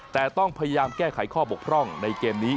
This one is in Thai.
แต่ต้องพยายามแก้ไขข้อบกพร่องในเกมนี้